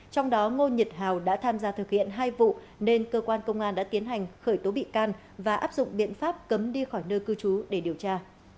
trong đó ngô nhật hào đã tham gia thực hiện hai vụ nên cơ quan công an đã tiến hành khởi tố bị can và áp dụng biện pháp cấm đi khỏi nơi cư trú để điều tra